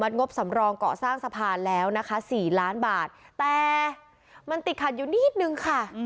แต่มันติดขัดอยู่นิดนึงค่ะ